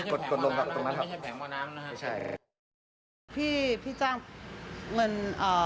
กดกดลงต่อมาตรงนี้ไม่ใช่แผงหม้อน้ำนะครับ